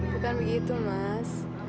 bukan begitu mas